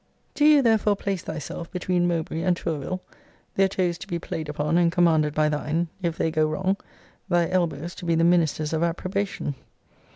Do you therefore place thyself between Mowbray and Tourville: their toes to be played upon and commanded by thine, if they go wrong: thy elbows to be the ministers of approbation.